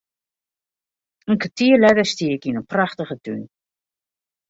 In kertier letter stie ik yn in prachtige tún.